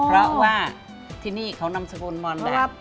เพราะว่าที่นี่เขานำสกุลมอนแบบ